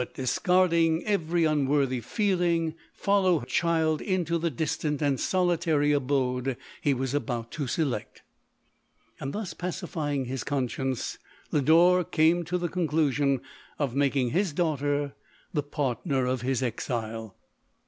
176 LODORI.. discarding every unworthy feeling, follow her child into the distant and solitar} abode he was about to select. Thus pacifying his conscience, Lodore came to the condition of making his daughter the partner of his exile.